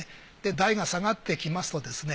代が下がってきますとですね